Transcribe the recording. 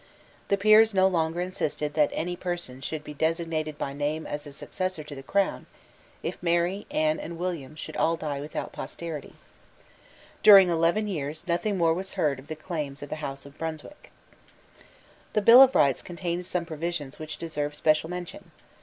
The peers no longer insisted that any person should be designated by name as successor to the crown, if Mary, Anne and William should all die without posterity. During eleven years nothing more was heard of the claims of the House of Brunswick. The Bill of Rights contained some provisions which deserve special mention.